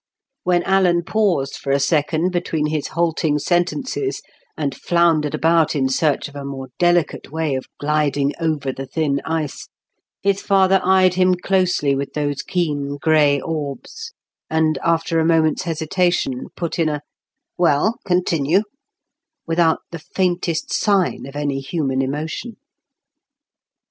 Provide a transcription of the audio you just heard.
When Alan paused for a second between his halting sentences and floundered about in search of a more delicate way of gliding over the thin ice, his father eyed him closely with those keen, grey orbs, and after a moment's hesitation put in a "Well, continue," without the faintest sign of any human emotion.